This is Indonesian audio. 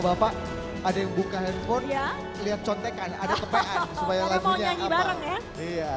bapak ada yang buka handphone ya lihat contekan ada kepean supaya langsung nyanyi bareng ya iya